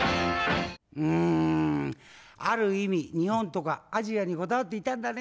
うんある意味日本とかアジアにこだわっていたんだね。